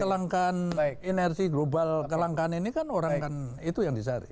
kelangkaan energi global kelangkaan ini kan orang kan itu yang dicari